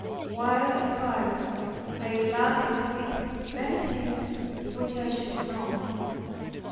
While in Paris, I relaxed and did many things which I should not.